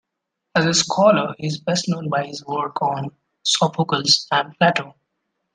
As a scholar he is best known by his work on Sophocles and Plato.